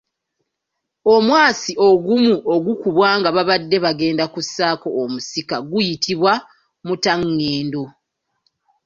Omwasi ogumu ogukubwa nga babadde bagenda okussaako omusika guyitibwa muttangendo.